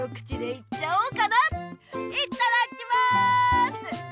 いっただっきます！